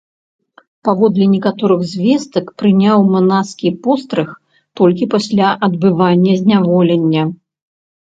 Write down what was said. Паводле некаторых звестак, прыняў манаскі пострыг толькі пасля адбывання зняволення.